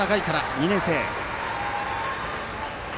２年生。